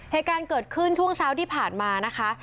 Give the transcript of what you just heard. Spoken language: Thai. เหตุการณ์เกิดขึ้นช่วงเช้าที่ผ่านมานะคะ